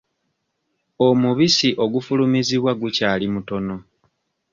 Omubisi ogufulumizibwa gukyali mutono.